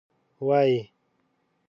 وایي.